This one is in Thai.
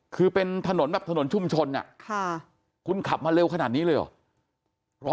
คือเป็นถนนแบบถนนชุมชนคุณขับมาเร็วขนาดนี้เลยเหรอ